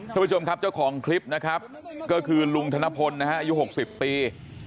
ทุกผู้ชมครับเจ้าของคลิปนะครับก็คือลุงธนพลนะฮะอายุ๖๐ปี